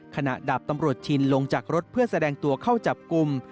ขณะดาบตำรวจชินลงจากรถเพื่อแสดงตัวเข้าจับกลุ่ม